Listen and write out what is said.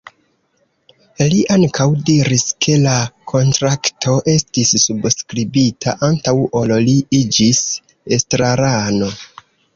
Li ankaŭ diris, ke la kontrakto estis subskribita antaŭ ol li iĝis estrarano.